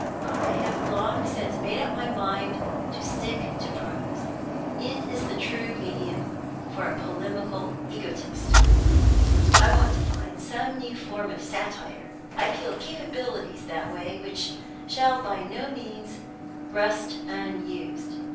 I have long since made up my mind to stick to prose; it is the true medium for a polemical egotist. I want to find some new form of satire; I feel capabilities that way which shall by no means rust unused.